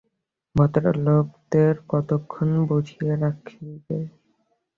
ভদ্রলোকদের কতক্ষণ বসিয়ে রাখবি?